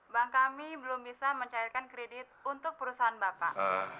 bank kami belum bisa mencairkan kredit untuk perusahaan bapak